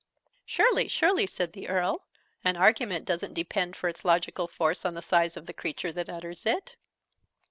"Surely, surely!" said the Earl. "An argument doesn't depend for its logical force on the size of the creature that utters it!"